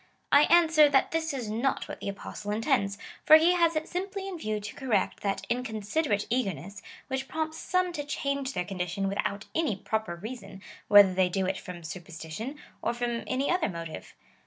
I answer, that this is not what the Apostle in tends, for he has it simply in view to correct that incon siderate eagerness, which prompts some to change their condition without any proper reason, whether they do it from superstition, or from any other motive.